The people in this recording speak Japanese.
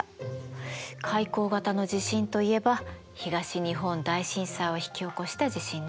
海溝型の地震といえば東日本大震災を引き起こした地震ね。